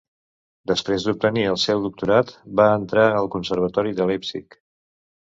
Després d'obtenir el seu doctorat, va entrar al Conservatori de Leipzig.